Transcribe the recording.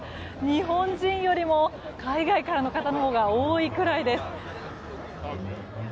日本人よりも海外からの方のほうが多いくらいです。